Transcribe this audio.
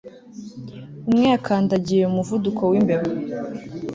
Umwe yakandagiye umuvuduko wimbeba